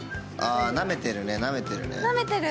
あ、なめてるね、なめてるね。